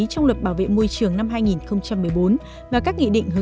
trong luật bảo vệ môi trường năm hai nghìn một mươi bốn và các nghị định hướng